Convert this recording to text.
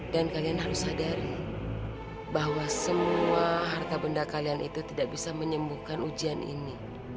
dan kalian harus sadari bahwa semua harta benda kalian itu tidak bisa menyembuhkan ujian ini